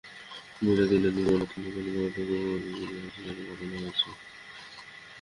বেলা তিনটার দিকে ময়নাতদন্তের জন্য মরদেহ গোপালগঞ্জ জেনারেল হাসপাতালের মর্গে পাঠানো হয়।